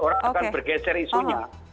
orang akan bergeser isunya